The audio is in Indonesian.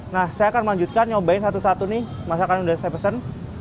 nah saya akan melanjutkan nyobain satu satu nih masakan yang sudah saya pesan